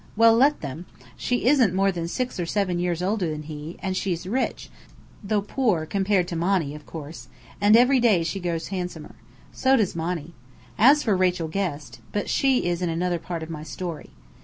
Well, let them! She isn't more than six or seven years older than he, and she's rich (though poor compared to Monny, of course), and every day she grows handsomer. So does Monny. As for Rachel Guest but she is in another part of my story.